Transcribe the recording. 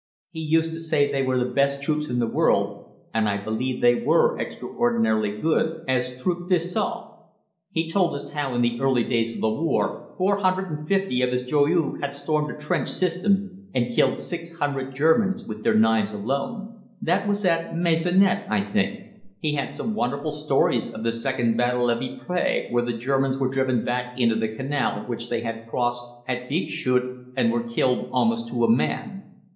He used to say they were the best troops in the world, and I believe they were extraordinarily good as troupes d'assaut. He told us how in the early days of the war 450 of his "Joyeux" had stormed a trench system and killed 600 Germans with their knives alone. That was at Maisonette, I think. He had some wonderful stories of the second battle of Ypres, where the Germans were driven back into the canal which they had crossed at Bixschoote, and were killed almost to a man.